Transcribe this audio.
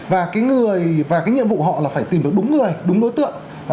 và cái người và cái nhiệm vụ họ là phải tìm được đúng người đúng đối tượng